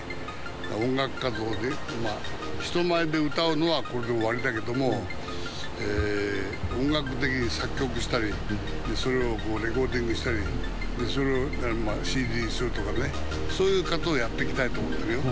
音楽活動で、まあ、人前で歌うのはこれで終わりだけども、えー、音楽に作曲したり、それをこうレコーディングしたり、それをＣＤにするとかね、そういう活動はやっていきたいと思ってるよ。